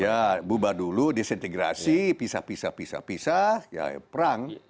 ya bubar dulu disintegrasi pisah pisah perang